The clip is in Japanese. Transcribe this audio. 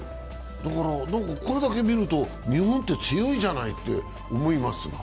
これだけ見ると、日本って強いじゃないって思いますよ。